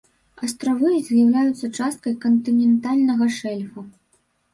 Астравы з'яўляюцца часткай кантынентальнага шэльфа.